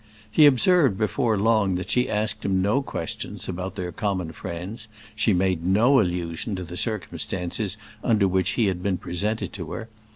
He observed before long that she asked him no questions about their common friends; she made no allusion to the circumstances under which he had been presented to her.